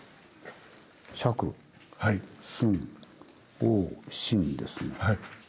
「尺寸王身」ですね。